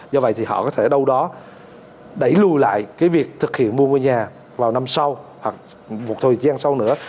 do vậy thì họ có thể ở đâu đó đẩy lùi lại cái việc thực hiện mua nhà vào năm sau hoặc một thời gian sau nữa